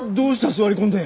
座り込んで。